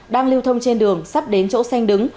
đang lưu thông trên đường sắp đến chỗ xanh đứng